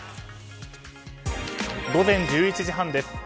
午前１１時半です。